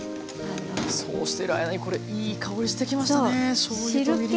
そうしている間にこれいい香りしてきましたね